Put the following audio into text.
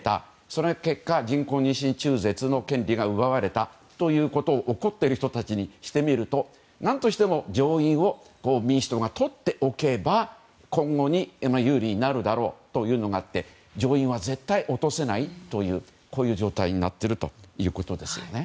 その結果、人工妊娠中絶の権利が奪われたということを怒っている人たちにしてみると何としても上院を民主党がとっておけば今後に有利になるだろうというのがあって上院は絶対落とせない状態になっているということですよね。